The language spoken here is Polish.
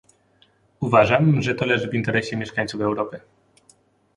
Uważam, że to leży w interesie mieszkańców Europy